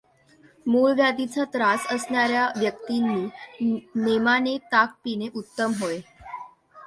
मूळव्याधीचा त्रास असणाऱ्या व्यक् तींनी नेमाने ताक पिणे उत्तम होय.